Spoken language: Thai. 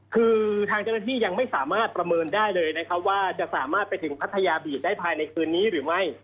คือทางเจ้าหน้าที่ยังไม่สามารถประเมินได้เลยนะครับว่าจะสามารถไปถึงพัทยาบีดได้ภายในคืนนี้หรือไม่